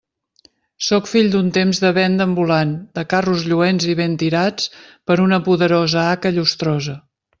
Sóc fill d'un temps de venda ambulant, de carros lluents i ben tirats per una poderosa haca llustrosa.